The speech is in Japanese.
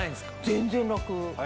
全然楽。